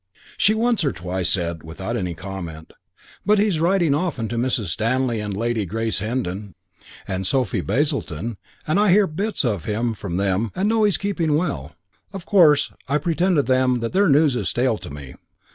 She once or twice said, without any comment, "But he is writing often to Mrs. Stanley and Lady Grace Heddon and Sophie Basildon and I hear bits of him from them and know he is keeping well. Of course, I pretend to them that their news is stale to me."